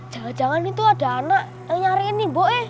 jangan jangan itu ada anak yang nyariin nih bu